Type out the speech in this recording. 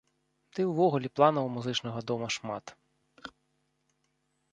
Ды і ўвогуле планаў у музычнага дома шмат.